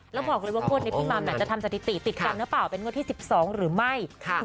และพูดเลยว่างวดนี้พี่มัมก็จะทำสถิติติดกันฟะเป็นงวดที่๑๒หรือไม่